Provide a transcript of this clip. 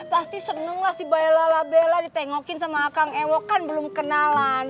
pasti senenglah si bela bela ditengokin sama kang ewok kan belum kenalan